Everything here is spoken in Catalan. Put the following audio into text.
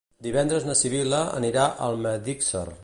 Divendres na Sibil·la anirà a Almedíxer.